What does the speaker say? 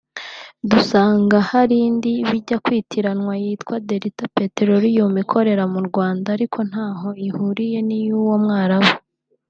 dusanga hari indi bijya kwitiranwa yitwa Delta Petroleum ikorera mu Rwanda ariko ntaho ihuriye n’iy’uwo mwarabu